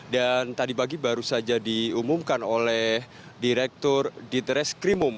dan tadi pagi baru saja diumumkan oleh direktur diteres krimum